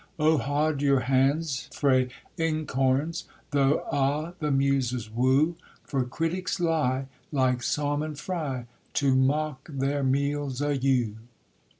Oh haud your hands frae inkhorns, though a' the Muses woo; For critics lie, like saumon fry, to mak' their meals o' you.